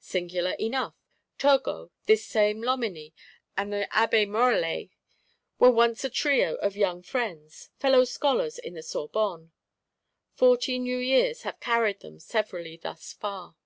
Singular enough: Turgot, this same Loménie, and the Abbé Morellet were once a trio of young friends; fellow scholars in the Sorbonne. Forty new years have carried them severally thus far.